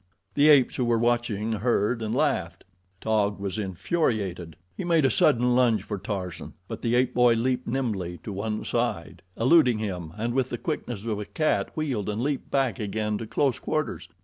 The apes who were watching heard and laughed. Taug was infuriated. He made a sudden lunge for Tarzan, but the ape boy leaped nimbly to one side, eluding him, and with the quickness of a cat wheeled and leaped back again to close quarters.